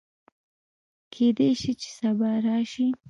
کېدی شي چې سبا راشي